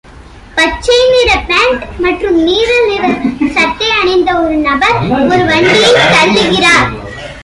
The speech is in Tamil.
பச்சை நிற பேன்ட் மற்றும் நீல நிற சட்டை அணிந்த ஒரு நபர் ஒரு வண்டியைத் தள்ளுகிறார்